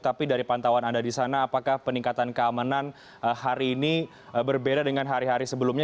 tapi dari pantauan anda di sana apakah peningkatan keamanan hari ini berbeda dengan hari hari sebelumnya